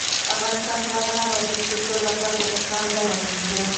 افغانستان تر هغو نه ابادیږي، ترڅو زعفران د کوکنارو ځای ونه نیسي.